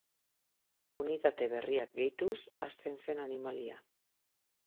Unitate berriak gehituz hazten zen animalia.